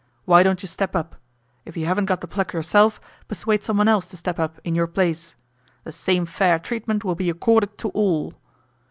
Why don't you step up? If you haven't got the pluck yourself, persuade someone else to step up in your place ... the same fair treatment will be accorded to all.